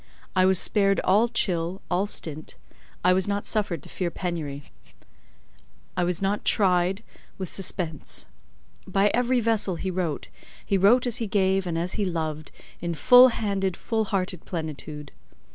I was spared all chill, all stint; I was not suffered to fear penury; I was not tried with suspense. By every vessel he wrote; he wrote as he gave and as he loved, in full handed, full hearted plenitude.